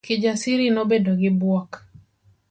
Kijasiri nobedo gi buok.